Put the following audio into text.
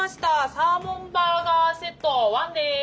サーモンバーガーセットワンです。